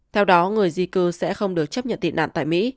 theo đó người di cư sẽ không được chấp nhận tị nạn tại mỹ